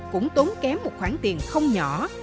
cũng tốn kém một khoản tiền không nhỏ